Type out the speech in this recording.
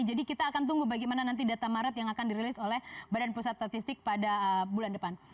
jadi kita akan tunggu bagaimana nanti data maret yang akan dirilis oleh badan pusat statistik pada bulan depan